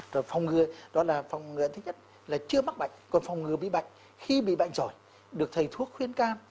rồi phòng ngừa đó là phòng ngừa thứ nhất là chưa mắc bệnh còn phòng ngừa bị bệnh khi bị bệnh rồi được thầy thuốc khuyên can